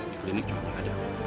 di klinik juga nggak ada